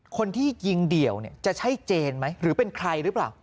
คนที่ยิงเดี่ยวเนี่ยจะใช่เจนไหมหรือเป็นใครหรือเปล่า